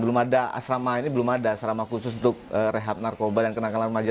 belum ada asrama ini belum ada asrama khusus untuk rehab narkoba yang kena kalam aja